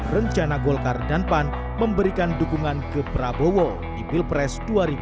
rencana golkar dan pan memberikan dukungan ke prabowo di pilpres dua ribu dua puluh